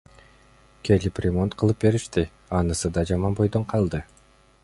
Келип ремонт кылып беришти, анысы да жаман бойдон калды.